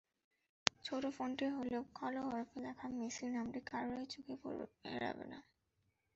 ছোট ফন্টে হলেও কালো হরফে লেখা মেসি নামটি কারোরই চোখ এড়াবে না।